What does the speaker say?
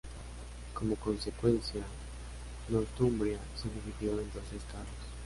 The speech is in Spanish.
Como consecuencia, Northumbria se dividió en dos estados.